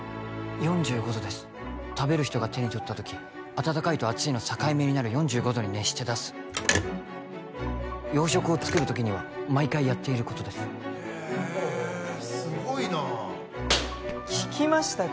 ４５度です食べる人が手に取った時温かいと熱いの境目になる４５度に熱して出す洋食を作る時には毎回やっていることです・へすごいな・ほ聞きましたか？